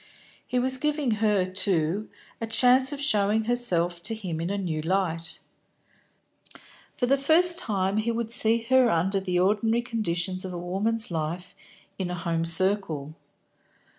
He was giving her, too, a chance of showing herself to him in a new light. For the first time he would see her under the ordinary conditions of a woman's life in a home circle.